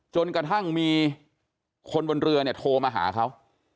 จนกระทั่งมีคนบนเรือเนี่ยโทรมาหาเขา